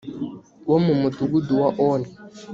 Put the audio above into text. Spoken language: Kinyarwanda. wo mu mudugudu wa oni